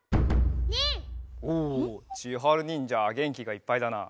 おおちはるにんじゃげんきがいっぱいだな。